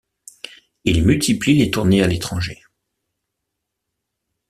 Il multiplie les tournées à l'étranger.